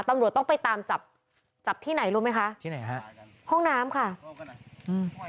ตำรวจต้องไปตามจับจับที่ไหนรู้ไหมคะที่ไหนฮะห้องน้ำค่ะอืม